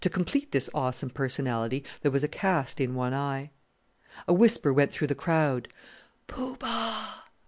To complete this awesome personality, there was a cast in one eye. A whisper went through the crowd "Poo Bah!"